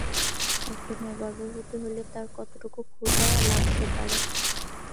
একটা মেয়ে গর্ভবতী হলে তার কতটুকু ক্ষুধা লাগতে পারে?